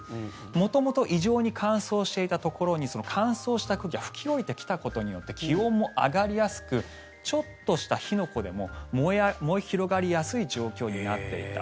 元々異常に乾燥していたところにその乾燥した空気が吹き下りてきたことによって気温も上がりやすくちょっとした火の粉でも燃え広がりやすい状況になっていた。